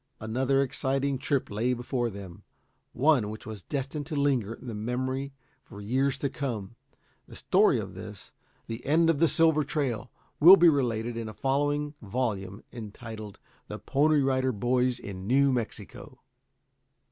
Another exciting trip lay before them; one which was destined to linger in memory for many years to come. The story of this, the end of the Silver Trail, will be related in a following volume entitled, "THE PONY RIDER BOYS IN NEW MEXICO."